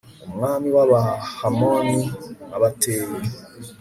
umwami w'abahamoni abateye